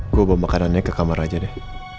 gue bawa makanannya ke kamar aja deh